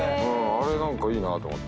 あれ何かいいなと思って。